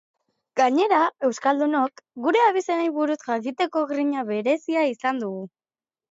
Gainera, euskaldunok gure abizenei buruz jakiteko grina berezia izan dugu.